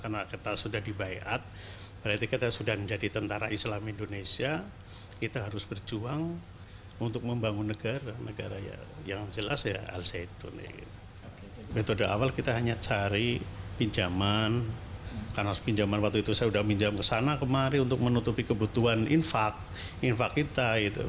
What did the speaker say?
metode awal kita hanya cari pinjaman karena pinjaman waktu itu saya sudah pinjam ke sana kemarin untuk menutupi kebutuhan infak infak kita